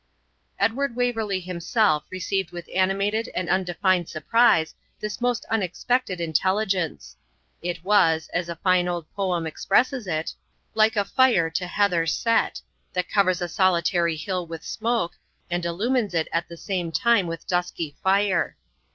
Edward Waverley himself received with animated and undefined surprise this most unexpected intelligence. It was, as a fine old poem expresses it, 'like a fire to heather set,' that covers a solitary hill with smoke, and illumines it at the same time with dusky fire.